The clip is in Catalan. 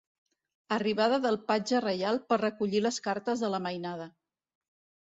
Arribada del patge reial per recollir les cartes de la mainada.